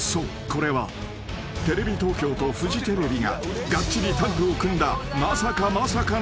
これはテレビ東京とフジテレビががっちりタッグを組んだまさかまさかの局またぎ］